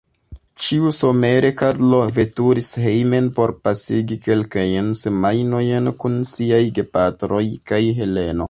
Ĉiusomere Karlo veturis hejmen por pasigi kelkajn semajnojn kun siaj gepatroj kaj Heleno.